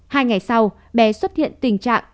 hai ngày sau bé xuất hiện tình trạng